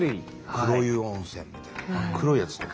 黒湯温泉みたいな黒いやつとか。